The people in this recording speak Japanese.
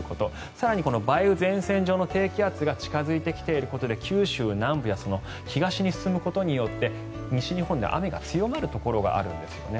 更にこの梅雨前線上の低気圧が近付いてきていることで九州南部や東に進むことによって西日本で雨が強まるところがあるんですよね。